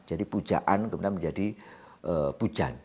ini pyaan kemudian menjadi pujan